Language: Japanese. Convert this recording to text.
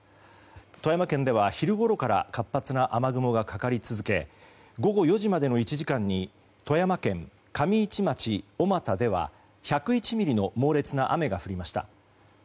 富山県では昼ごろから活発な雨雲がかかり続け午後４時までの１時間に富山県上市町小又では１０１ミリの猛烈な雨が降りました。